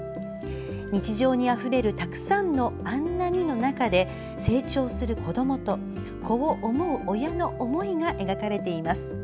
日常にあふれるたくさんの「あんなに」の中で成長する子どもと子を思う親の思いが描かれています。